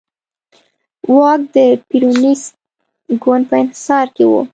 واک د پېرونېست ګوند په انحصار کې و.